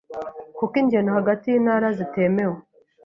kuko ingendo hagati y'intara zitemewe